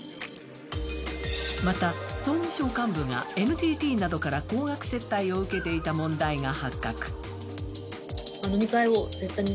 また、総務省幹部がＮＴＴなどから高額接待を受けていた問題が発覚。